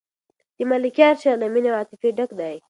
د ملکیار شعر له مینې او عاطفې ډک دی.